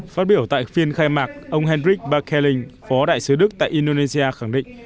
phát biểu tại phiên khai mạc ông hendrik bakkeling phó đại sứ đức tại indonesia khẳng định